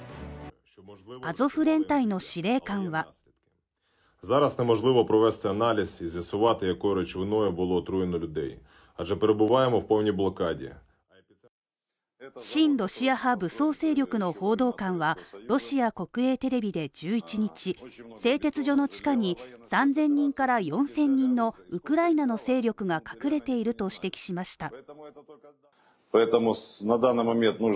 アゾフ連隊の司令官は親ロシア派武装勢力の報道官はロシア国営テレビで１１日製鉄所の地下に３０００人から４０００人のウクライナの勢力が隠れていると指摘しました。